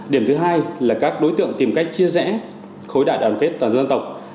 điểm thứ hai là các đối tượng tìm cách chia rẽ khối đại đoàn kết toàn dân tộc